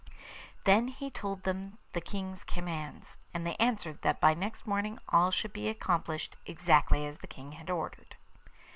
Then he told them the King's commands, and they answered that by next morning all should be accomplished exactly as the King had ordered.